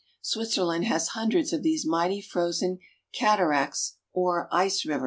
Switzerland has hundreds of these mighty frozen cataracts or ice rivers.